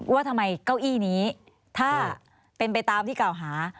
ว่าทำไมเก้าอี้นี้ถ้าเป็นไปตามที่เก่าหา